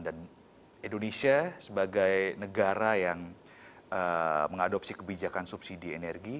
dan indonesia sebagai negara yang mengadopsi kebijakan subsidi energi